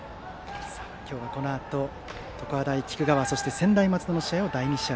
今日はこのあと常葉大菊川そして専大松戸の試合を第２試合。